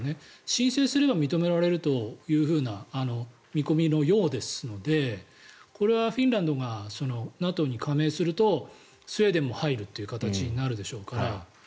申請すれば認められるという見込みのようですのでこれはフィンランドがＮＡＴＯに加盟するとスウェーデンも入るという形になるでしょうから。